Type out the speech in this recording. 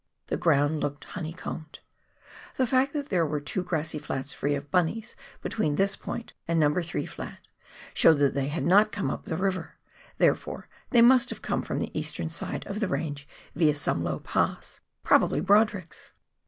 The ground looked honey combed. The fact that there were two grassy flats free of bunnies between this point and No. 3 flat, showed that they had not come up the river ; therefore they must have come from the eastern side of the Range via some low pass — probably Brodrick's.